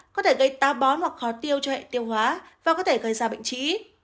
có thể gây ta bón hoặc khó tiêu cho hệ tiêu hóa và có thể gây ra bệnh trí